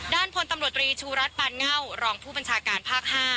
พลตำรวจตรีชูรัฐปานเง่ารองผู้บัญชาการภาค๕